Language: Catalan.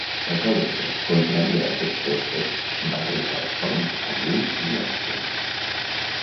L'alcaldessa, contrària a aquests dos fets, va trencar els ponts amb uns i altres.